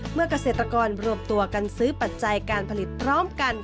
เมื่อกเศรษฐกรรมรวบตัวกันซื้อปัจจัยการผลิตพร้อมกัน